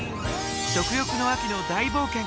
食欲の秋の大冒険。